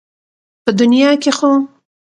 په دنيا کې خو